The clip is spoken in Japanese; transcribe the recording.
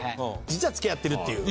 実は付き合ってるっていう。